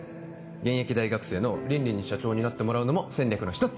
現役大学生の凜々に社長になってもらうのも戦略の一つ